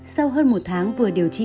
sau hơn một tháng vừa điều trị